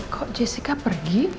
kok jessica pergi